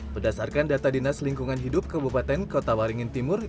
berdasarkan data dinas lingkungan hidup kabupaten kota waringin timur